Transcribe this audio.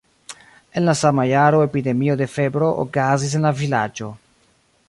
En la sama jaro epidemio de febro okazis en la vilaĝo.